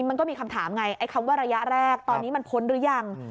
มันก็มีคำถามไงไอ้คำว่าระยะแรกตอนนี้มันพ้นหรือยัง